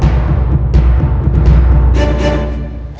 น้องใบเตยร้อง